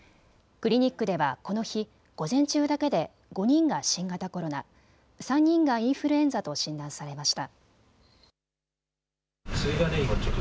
クリニックではこの日、午前中だけで５人が新型コロナ、３人がインフルエンザと診断されました。